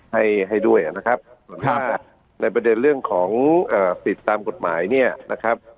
ให้ให้ด้วยอ่ะนะครับในประเด็นเรื่องของอ่าติดตามกฎหมายเนี่ยนะครับ